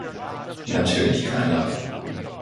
Natürlich keiner.